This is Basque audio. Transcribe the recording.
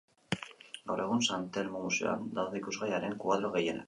Gaur egun San Telmo museoan daude ikusgai haren koadro gehienak.